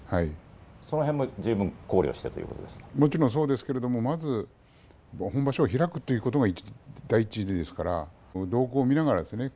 その辺ももちろんそうですけれどもまず本場所は開くということが第一ですから動向を見ながらですね